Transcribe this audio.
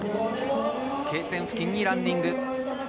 Ｋ点付近にランディング。